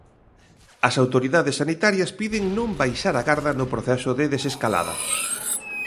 As autoridades sanitarias piden non baixar a garda no proceso de desescalada.